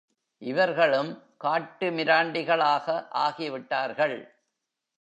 இவர்களும் காட்டு மிராண்டிகளாக ஆகிவிட்டார்கள்.